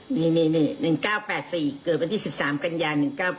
นี่๑๙๘๔เกิดไปที่๑๓กัญญา๑๙๘๔